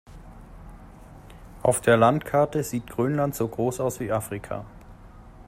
Auf der Landkarte sieht Grönland so groß aus wie Afrika.